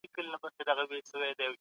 څېړونکی څنګه کولای سی رښتیا بیان کړي؟